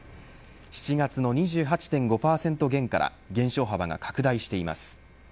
７月の２８．５％減から減少幅が拡大しています。